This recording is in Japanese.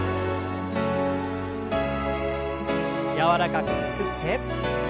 柔らかくゆすって。